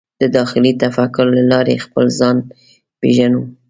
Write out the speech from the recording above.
د داخلي تفکر له لارې خپل ځان پېژنو.